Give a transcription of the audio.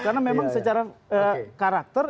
karena memang secara karakter